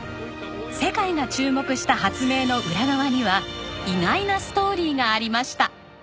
世界が注目した発明の裏側には意外なストーリーがありました。